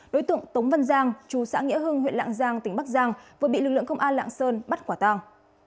đối tượng tống văn giang chú xã nghĩa hưng huyện lạng giang tỉnh bắc giang vừa bị lực lượng công an lạng sơn bắt quả tàng